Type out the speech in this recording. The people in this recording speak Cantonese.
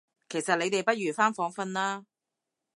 其實你哋不如返房訓啦